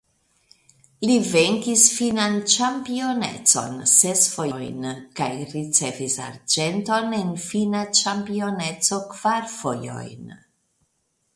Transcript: Li venkis finnan ĉampionecon ses fojojn kaj ricevis arĝenton en finna ĉampioneco kvar fojojn.